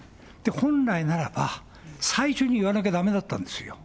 本来ならば最初に言わなきゃだめだったんですよ。